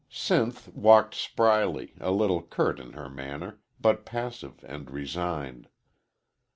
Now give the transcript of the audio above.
"Sinth" walked spryly, a little curt in her manner, but passive and resigned.